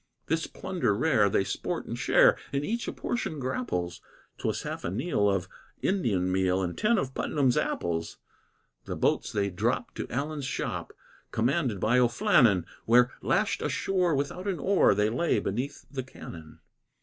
This plunder rare, they sport and share, And each a portion grapples. 'Twas half a kneel of Indian meal, And ten of Putnam's apples. The boats they drop to Allen's shop, Commanded by O'Flannon, Where, lashed ashore, without an oar, They lay beneath the cannon.